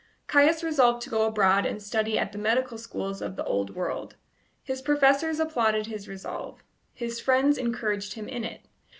Caius resolved to go abroad and study at the medical schools of the Old World. His professors applauded his resolve; his friends encouraged him in it.